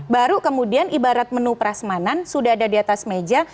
baru kemudian ibarat menu prasmanan sudah ada di atas meja